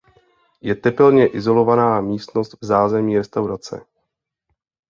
Je tepelně izolovaná místnost v zázemí restaurace.